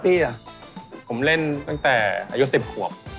ผมเล่นมันทั้งแต่เด็ก